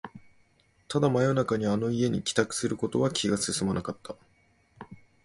ただ、真夜中にあの家に帰宅することは気が進まなかった